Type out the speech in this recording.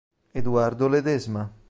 Eduardo Ledesma